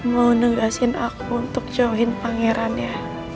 mau negasin aku untuk join pangeran ya